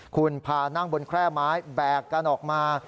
คุณพานั่งบนแคร่ไม้แบกกันออกมา